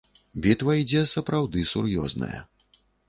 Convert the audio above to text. Бітва ідзе, сапраўды, сур'ёзная.